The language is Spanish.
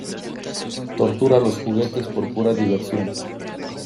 ¡ Tortura a los juguetes por pura diversión!